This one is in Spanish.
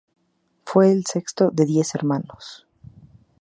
Fue el sexto de diez hermanos.